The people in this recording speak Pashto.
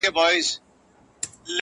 o د ښو څه ښه زېږي، د بدو څه واښه!